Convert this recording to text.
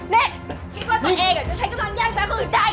นี่คิดว่าตัวเองจะใช้กำลังแย่งแฟนคนอื่นได้